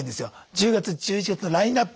１０月１１月のラインナップ。